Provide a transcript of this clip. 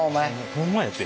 ホンマやて。